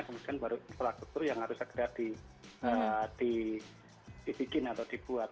kemudian baru infrastruktur yang harus segera dibikin atau dibuat